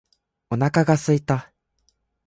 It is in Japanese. お腹が空いた